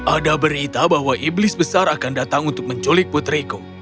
ada berita bahwa iblis besar akan datang untuk menculik putriku